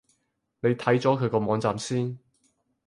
你睇咗佢個網站先